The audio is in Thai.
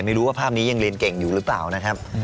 ไม่รู้ว่าภาพนี้ยังเรียนเก่งอยู่หรือเปล่านะครับ